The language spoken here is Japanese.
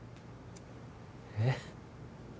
えっ？